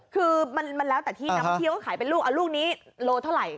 คือมันแล้วแต่ที่นักท่องเที่ยวก็ขายเป็นลูกลูกนี้โลเท่าไหร่